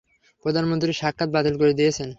প্রধানমন্ত্রী সাক্ষাৎ বাতিল করে দিয়েছেন।